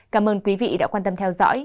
cảm ơn quý vị đã quan tâm theo dõi